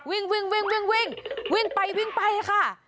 วิ่งวิ่งวิ่งวิ่งวิ่งวิ่งไปวิ่งไปค่ะ